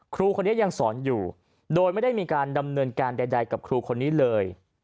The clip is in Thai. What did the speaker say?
ครูคนนี้ยังสอนอยู่โดยไม่ได้มีการดำเนินการใดกับครูคนนี้เลย